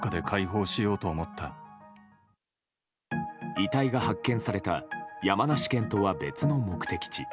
遺体が発見された山梨県とは別の目的地